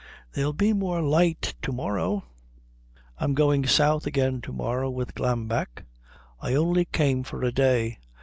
"There'll be more light to morrow " "I'm going south again to morrow with Glambeck. I only came for a day.